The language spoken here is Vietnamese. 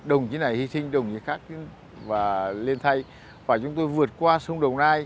ông chỉ nhớ của ông